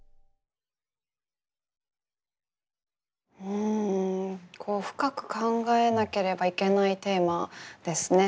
ふん深く考えなければいけないテーマですね。